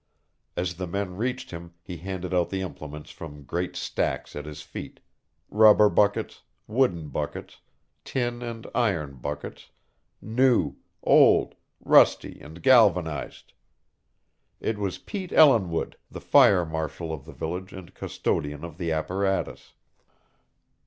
As the men reached him he handed out the implements from great stacks at his feet rubber buckets, wooden buckets, tin and iron buckets, new, old, rusty and galvanized. It was Pete Ellinwood, the fire marshal of the village and custodian of the apparatus.